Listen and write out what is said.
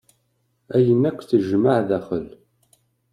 Ayen akk tejmaɛ daxel.